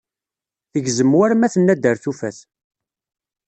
Tegzem war ma tenna-d ar tufat.